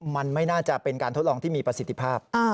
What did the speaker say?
มันไม่น่าจะเป็นการทดลองที่มีประสิทธิภาพ